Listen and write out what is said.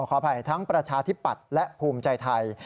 ขออภัยทั้งประชาธิปัตย์และภูมิใจไทย